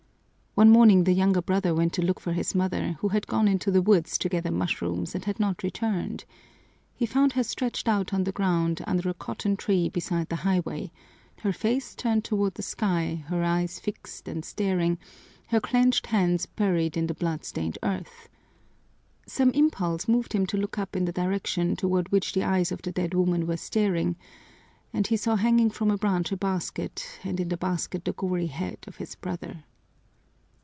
One morning the younger brother went to look for his mother, who had gone into the woods to gather mushrooms and had not returned. He found her stretched out on the ground under a cotton tree beside the highway, her face turned toward the sky, her eyes fixed and staring, her clenched hands buried in the blood stained earth. Some impulse moved him to look up in the direction toward which the eyes of the dead woman were staring, and he saw hanging from a branch a basket and in the basket the gory head of his brother!"